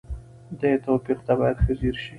دې توپير ته بايد ښه ځير شئ.